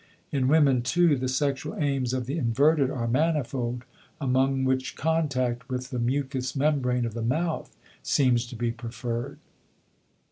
In women, too, the sexual aims of the inverted are manifold, among which contact with the mucous membrane of the mouth seems to be preferred.